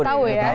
udah tahu ya